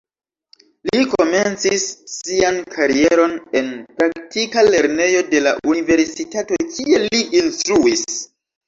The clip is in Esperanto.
Li komencis sian karieron en praktika lernejo de la universitato, kie li instruis.